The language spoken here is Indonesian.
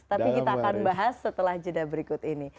tapi kita akan bahas setelah jeda berikut ini